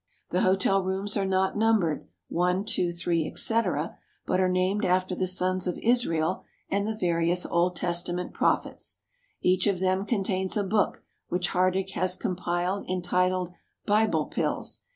The hotel rooms are not numbered i, 2, 3, etc., but are named after the sons of Israel and the various Old Testament prophets. Each of them contains a book which Hardegg has compiled entitled " Bible Pills."